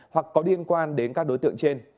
hoặc có liên quan đến các đối tượng trên